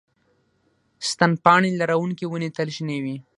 ستن پاڼې لرونکې ونې تل شنې وي